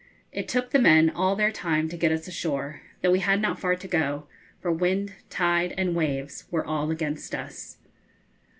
It took the men all their time to get us ashore, though we had not far to go, for wind, tide, and waves were all against us.